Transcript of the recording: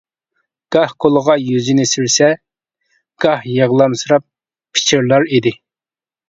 گاھ قولىغا يۈزىنى سۈرسە، گاھ يىغلامسىراپ پىچىرلار ئىدى.